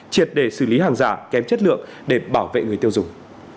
triệt để xử lý hàng giả kém chất lượng để bảo vệ người tiêu dùng